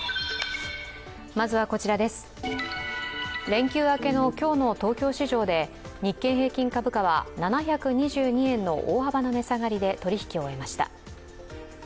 連休明けの今日の東京市場で日経平均株価は７２２円の大幅な値下がりで取引を終えました。